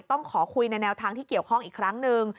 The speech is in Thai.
ต้องขอคุยในแนวทางที่เกี่ยวข้องอีกครั้งหนึ่ง